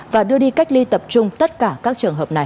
và đưa đi cách ly tập trung tất cả các trường hợp này